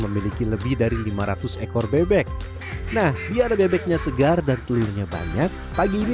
memiliki lebih dari lima ratus ekor bebek nah biar ada bebeknya segar dan telurnya banyak pagi ini